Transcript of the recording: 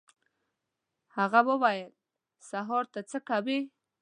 هغه وویل: «سهار ته څه کوې؟»